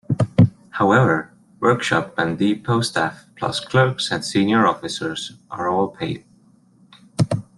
However, workshop and depot staff plus clerks and senior officers are all paid.